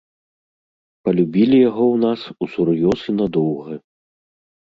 Палюбілі яго ў нас усур'ёз і надоўга.